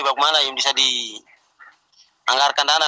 bagaimana yang bisa dianggarkan